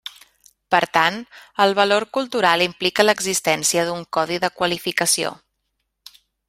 Per tant, el valor cultural implica l'existència d'un codi de qualificació.